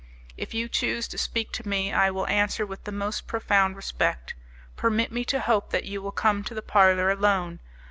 If you choose to speak to me, I will answer with the most profound respect. Permit me to hope that you will come to the parlour alone.